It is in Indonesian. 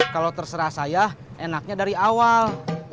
kalau terserah saya enaknya dari awal